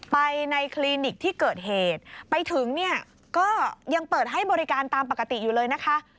ไปในคลินิกที่เกิดเหตุไปถึงเนี่ยก็ยังเปิดให้บริการตามปกติอยู่เลยนะคะ